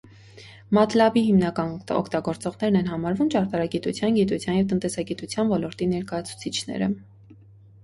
Մաթլաբի հիմնական օգտագործողներ են համարվում ճարտարագիտության, գիտության և տնտեսագիտության ոլորտի ներկայացուցիչները։